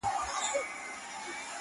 سړې شپې يې تېرولې په خپل غار كي!